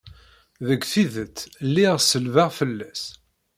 Deg tidet, lliɣ selbeɣ fell-as.